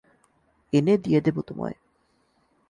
এনে দিয়ে দেবো তোমায়।